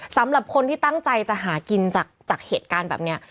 สำหรับคนที่ตั้งใจจะหากินจากเหตุการณ์แบบนี้